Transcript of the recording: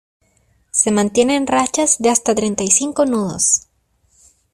se mantiene en rachas de hasta treinta y cinco nudos.